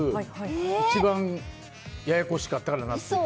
一番、ややこしかったから。